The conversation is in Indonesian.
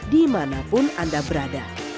dimanapun anda berada